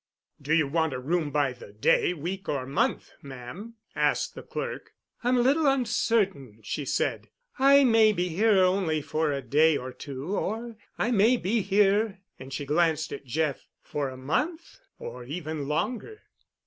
"Do you want a room by the day, week or month, ma'am?" asked the clerk. "I'm a little uncertain," she said; "I may be here only for a day or two or I may be here"—and she glanced at Jeff—"for a month—or even longer."